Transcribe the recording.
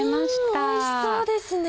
うんおいしそうですね。